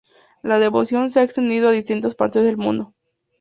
La devoción se ha extendido a distintas partes del mundo.